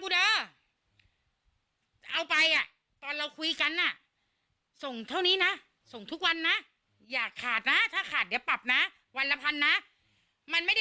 ได้ละไงอยู่เล่นที่นี่